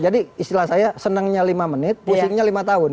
jadi istilah saya senangnya lima menit pusingnya lima tahun